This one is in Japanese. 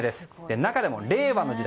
中でも令和の時代